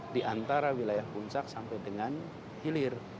di antara wilayah puncak sampai dengan hilir